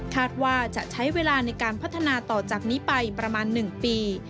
ว่าจะใช้เวลาในการพัฒนาต่อจากนี้ไปประมาณ๑ปี